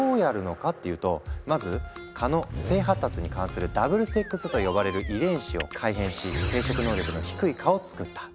っていうとまず蚊の性発達に関係する「ダブルセックス」と呼ばれる遺伝子を改変し生殖能力の低い蚊を作った。